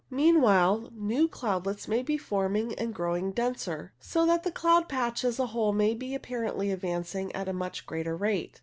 Meanwhile new cloudlets may be forming and growing denser, so that the cloud patch as a whole may be appa rently advancing at a much greater rate.